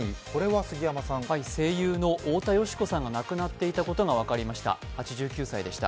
声優の太田淑子さんが亡くなっていたことが分かりました。